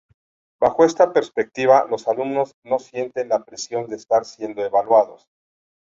Bajo esta perspectiva, los alumnos no sienten la presión de estar siendo evaluados.